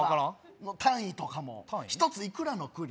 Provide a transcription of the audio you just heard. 単位とかも１ついくらの栗？